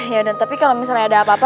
ya dan tapi kalau misalnya ada apa apa